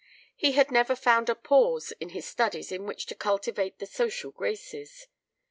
He had never found a pause in his studies in which to cultivate the social graces.